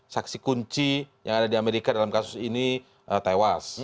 saksi kunci yang ada di amerika dalam kasus ini tewas